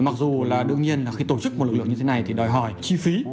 mặc dù là đương nhiên là khi tổ chức một lực lượng như thế này thì đòi hỏi chi phí